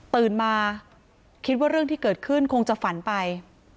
มาคิดว่าเรื่องที่เกิดขึ้นคงจะฝันไป